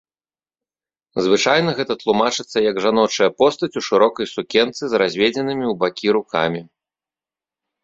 Звычайна гэта тлумачыцца як жаночая постаць у шырокай сукенцы з разведзенымі ў бакі рукамі.